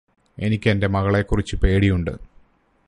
എനിക്ക് എന്റെ മകളെക്കുറിച്ച് പേടിയുണ്ട്